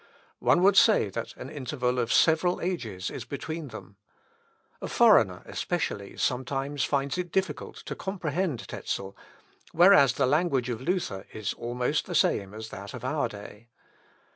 One would say that an interval of several ages is between them. A foreigner, especially, sometimes finds it difficult to comprehend Tezel, whereas the language of Luther is almost the same as that of our day.